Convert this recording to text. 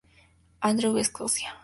Andrews, Escocia.